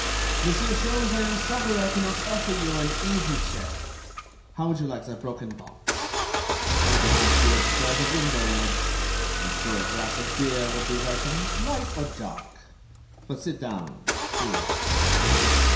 "Monsieur Sholmes, I am sorry I cannot offer you an easy chair. How would you like that broken box? Or perhaps you would prefer the window ledge? I am sure a glass of beer would be welcome ... light or dark?... But sit down, please."